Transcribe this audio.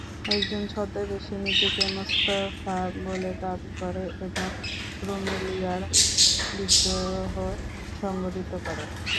একজন ছদ্মবেশী নিজেকে মুস্তাফা বলে দাবি করে এবং রুমেলিয়ায় বিদ্রোহ সংঘটিত করে।